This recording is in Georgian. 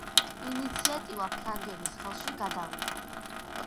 ინიციატივა ფრანგების ხელში გადავიდა.